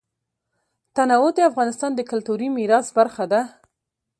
تنوع د افغانستان د کلتوري میراث برخه ده.